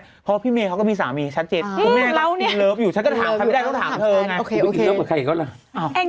เพราะว่าพี่เมย์เค้าก็มีสามีชั้น๗